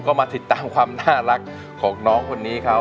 ก็มาติดตามความน่ารักของน้องคนนี้เขา